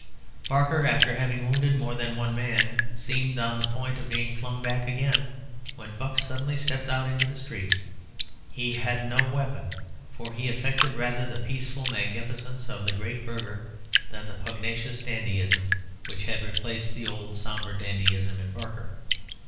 Barker, after having wounded more than one man, seemed on the point of being flung back again, when Buck suddenly stepped out into the street. He had no weapon, for he affected rather the peaceful magnificence of the great burgher, than the pugnacious dandyism which had replaced the old sombre dandyism in Barker.